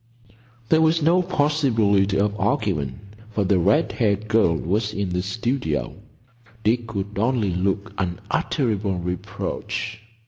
There was no possibility of arguing, for the red haired girl was in the studio. Dick could only look unutterable reproach.